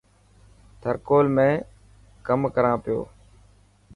ٿر ڪول ۾ ڪم ڪران پيو.